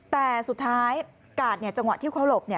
แต่สุดท้ายกาดจังหวะที่เขาหลบ